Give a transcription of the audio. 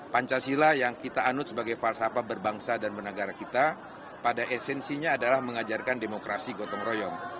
pancasila yang kita anut sebagai falsafah berbangsa dan menegara kita pada esensinya adalah mengajarkan demokrasi gotong royong